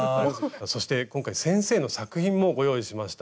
そして今回先生の作品もご用意しました。